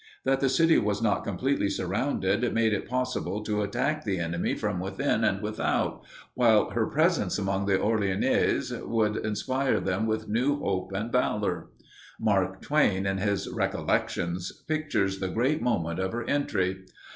That the city was not completely surrounded made it possible to attack the enemy from within and without, while her presence among the Orleanese would inspire them with new hope and valor. Mark Twain, in his "Recollections," pictures the great moment of her entry.